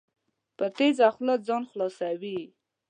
په تېزه خوله ځان خلاصوي.